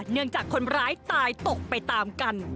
เนื่องจากคนร้ายตายตกไปตามกัน